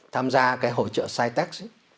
tham gia cái hội trợ sitex